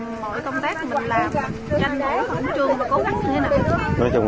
nhanh mỗi khẩu trường